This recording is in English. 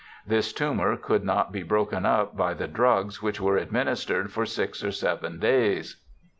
This tumour could not be broken up by the drugs which were administered for six or seven days.